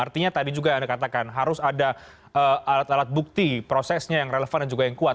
artinya tadi juga anda katakan harus ada alat alat bukti prosesnya yang relevan dan juga yang kuat